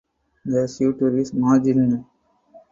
The suture is margined.